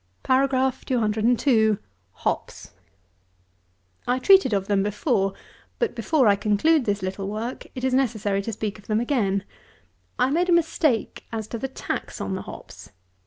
HOPS. 202. I treated of them before; but before I conclude this little Work, it is necessary to speak of them again. I made a mistake as to the tax on the Hops.